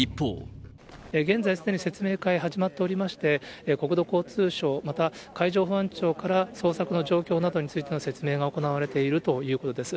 現在、すでに説明会始まっておりまして、国土交通省、また海上保安庁から捜索の状況などについての説明が行われているということです。